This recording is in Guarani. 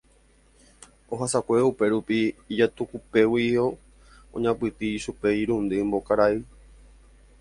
ohasakuévo upérupi ijatukupéguio oñapytĩ chupe irundy mbokara'ỹi.